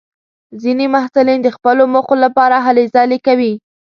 ځینې محصلین د خپلو موخو لپاره هلې ځلې کوي.